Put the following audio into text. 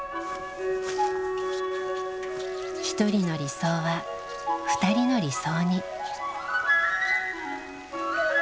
一人の理想は二人の理想に。